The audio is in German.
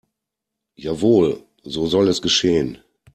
Jawohl, so soll es geschehen.